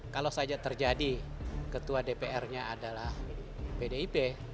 kalau saja terjadi ketua dpr nya adalah pdip